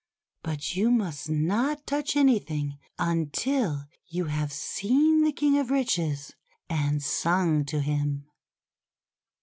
But you must not touch anything until you have seen the King of Riches and sung to him."